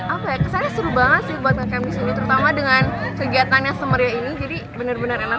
apa ya kesannya seru banget sih buat nge cam disini terutama dengan kegiatannya semeria ini jadi bener bener enak banget